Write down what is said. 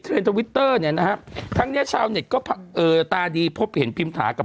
ทวิตเตอร์เนี่ยนะฮะทั้งเนี้ยชาวเน็ตก็เอ่อตาดีพบเห็นพิมถากับ